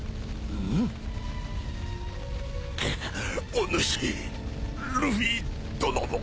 おぬしルフィ殿の！